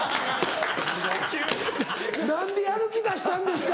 何でやる気出したんですか！